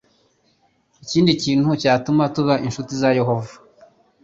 Ikindi kintu cyatuma tuba incuti za Yehova